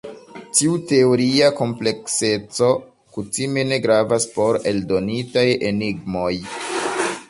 Tiu teoria komplekseco kutime ne gravas por eldonitaj enigmoj.